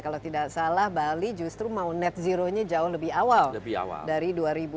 kalau tidak salah bali justru mau net zero nya jauh lebih awal dari dua ribu dua puluh